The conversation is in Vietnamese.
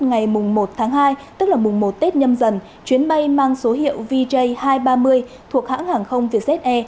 ngày một tháng hai tức là mùng một tết nhâm dần chuyến bay mang số hiệu vj hai trăm ba mươi thuộc hãng hàng không vietjet air